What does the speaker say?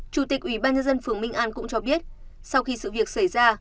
chủ tịch ủy ban nhân dân phường minh an cũng cho biết sau khi sự việc xảy ra